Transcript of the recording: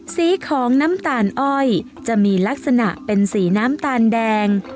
สีของน้ำตาลอ้อยจะมีลักษณะเป็นสีน้ำตาลแดง